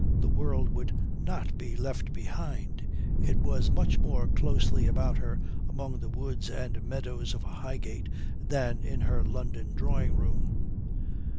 The world would not be left behind. It was much more closely about her among the woods and meadows of Highgate than in her London drawing room.